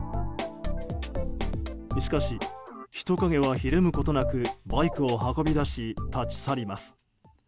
しかし、人影はひるむことなくバイクを運び出し立ち去ります。